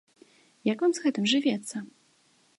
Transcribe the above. Як вам з гэтым жывецца?